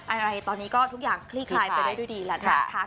อะไรตอนนี้ก็ทุกอย่างคลี่คลายไปได้ด้วยดีแล้วนะคะ